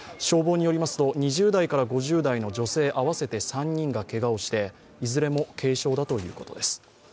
消防によりますと２０代から５０代の女性合わせて３人がけがをして、いずれも軽傷だということです。